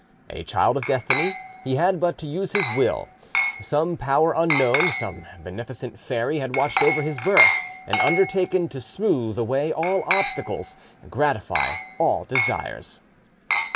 A child of destiny, he had but to use his will; some power unknown, some beneficent fairy had watched over his birth, and undertaken to smooth away all obstacles, gratify all desires.